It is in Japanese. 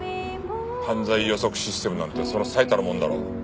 犯罪予測システムなんてその最たるもんだろう。